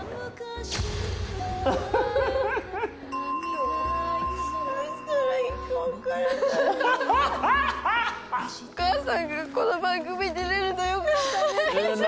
お母さんがこの番組出られるのよかったね。